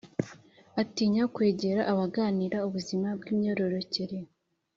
atinya kwegera abaganira ubuzima bw’imyororokere